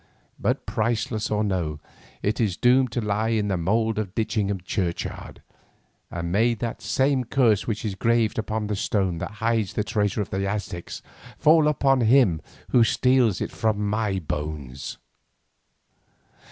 But priceless or no, it is doomed to lie in the mould of Ditchingham churchyard, and may that same curse which is graved upon the stone that hides the treasure of the Aztecs fall upon him who steals it from my bones.